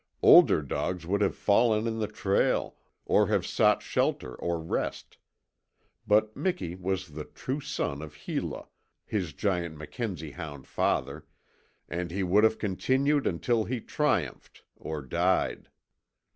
Older dogs would have fallen in the trail or have sought shelter or rest. But Miki was the true son of Hela, his giant Mackenzie hound father, and he would have continued until he triumphed or died.